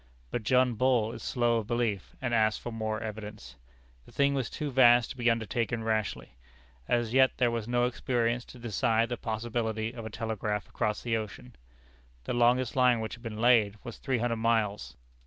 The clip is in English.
But John Bull is slow of belief, and asked for more evidence. The thing was too vast to be undertaken rashly. As yet there was no experience to decide the possibility of a telegraph across the ocean. The longest line which had been laid was three hundred miles.